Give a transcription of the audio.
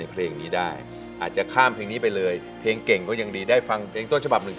เพลงนี้ได้อาจจะข้ามเพลงนี้ไปเลยเพลงเก่งก็ยังดีได้ฟังเพลงต้นฉบับหนึ่ง